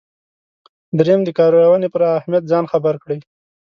دریم د کارونې پر اهمیت ځان خبر کړئ.